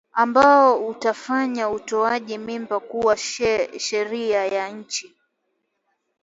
ambao utafanya utoaji mimba kuwa sheria ya nchi